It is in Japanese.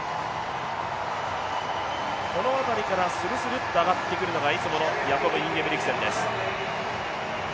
この辺りからするするっと上がってくるのがいつものヤコブ・インゲブリクセンです。